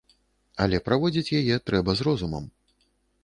Але праводзіць яе трэба з розумам!